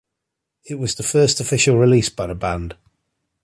It was the first official release by the band.